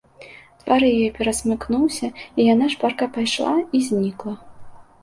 Твар яе перасмыкнуўся, і яна шпарка пайшла і знікла.